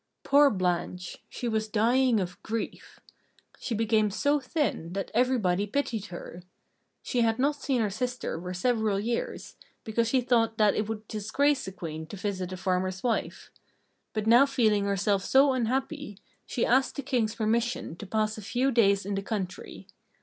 Poor Blanche! She was dying of grief. She became so thin that everybody pitied her. She had not seen her sister for several years, because she thought that it would disgrace a Queen to visit a farmer's wife. But now feeling herself so unhappy, she asked the King's permission to pass a few days in the country.